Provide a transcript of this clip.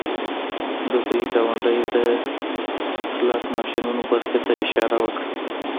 د دوی ګاونډۍ د سلاټ ماشینونو برخې ته اشاره وکړه